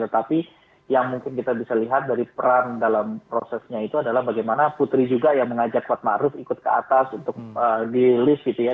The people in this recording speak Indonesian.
tetapi yang mungkin kita bisa lihat dari peran dalam prosesnya itu adalah bagaimana putri juga yang mengajak kuat ⁇ maruf ⁇ ikut ke atas untuk di list gitu ya